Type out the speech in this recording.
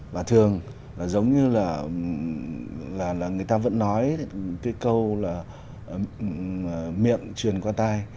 và thường là giống như là người ta vẫn nói cái câu là miệng truyền qua tay